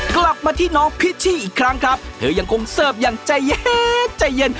กลับมาที่น้องพิชชี่อีกครั้งครับเธอยังคงเสิร์ฟอย่างใจเย็นใจเย็น